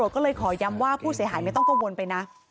ก็เลยขอย้ำว่าผู้เสียหายไม่ต้องกังวลไปนะ